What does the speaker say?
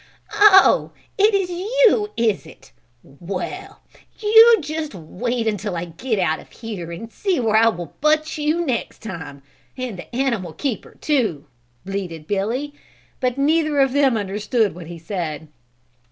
"Oh, it is you, is it? Well, you just wait until I get out of here and see where I will butt you next time, and the animal keeper, too," bleated Billy, but neither of them understood what he said.